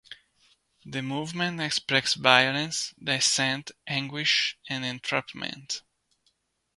The movements express violence, dissent, anguish, and entrapment.